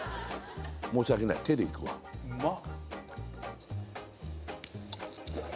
申し訳ない手でいくわうまっ！